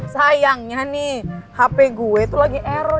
sayangnya nih hp gue itu lagi error